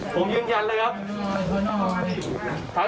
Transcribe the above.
ผมยืนยันเลยครับ